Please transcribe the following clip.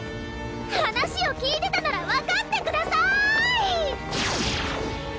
話を聞いてたなら分かってください！